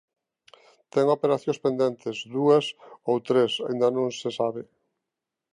Ten operacións pendentes, dúas ou tres, aínda non se sabe.